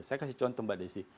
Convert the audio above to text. saya kasih contoh mbak desi